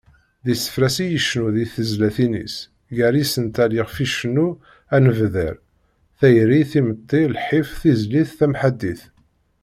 D isefra-s i icennu di tezlatin-is, gar yisental iɣef icennu ad nebder: Tayri, timetti, lḥif, tizlit tamḥaddit.